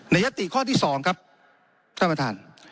ยัตติข้อที่๒ครับท่านประธาน